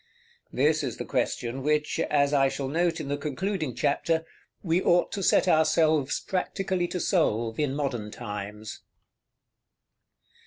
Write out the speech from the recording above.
This is the question which, as I shall note in the concluding chapter, we ought to set ourselves practically to solve in modern times.